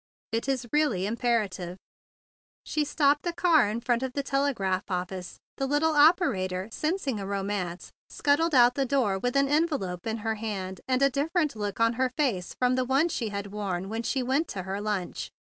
"It is really imperative." She stopped the ear in front of the telegraph office. The little operator, scenting a romance, scuttled out of the door with an envelope in her hand and a different look on her face from the one she had worn when she went to her lunch.